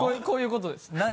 こういうことです。